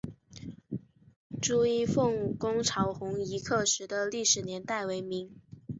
朱一冯攻剿红夷刻石的历史年代为明。